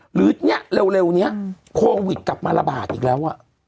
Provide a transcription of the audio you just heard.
หรือเนี่ยเร็วนี้โควิดกลับมาระบาดอีกแล้ว